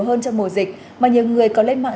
hơn trong mùa dịch mà nhiều người có lên mạng